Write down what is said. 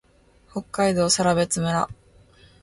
北海道更別村